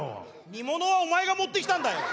煮物はお前が持ってきたんだよ！